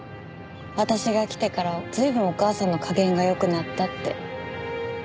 私が来てから随分お母さんの加減が良くなったって。